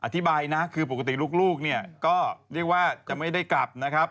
อธิบายนะคือปกติลูกเนี่ยก็เรียกว่าจะไม่ได้กลับนะครับ